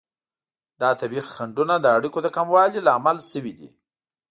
دا طبیعي خنډونه د اړیکو د کموالي لامل شوي دي.